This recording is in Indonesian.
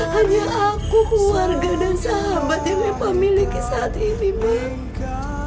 hanya aku keluarga dan sahabat yang eva miliki saat ini mak